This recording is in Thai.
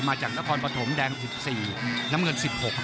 มาจากนครปฐมแดง๑๔น้ำเงิน๑๖